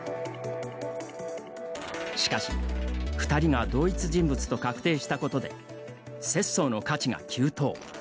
しかし二人が同一人物と確定したことで拙宗の価値が急騰。